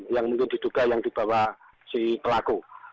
yang mungkin diduga yang dibawa si pelaku